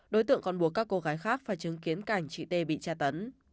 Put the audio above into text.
đối tượng còn buộc các cô gái khác phải chứng kiến cảnh chị t bị tra tấn